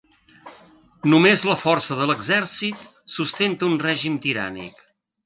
Només la força de l'exèrcit sustenta un règim tirànic.